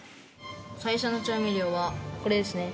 最初の調味料はこれですね。